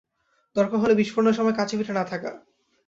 দরকার হল বিস্ফোরণের সময় কাছেপিঠে না থাকা।